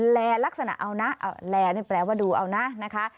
แรร์ลักษณะแรร์นี่แปลว่าดูเอานะนะคะ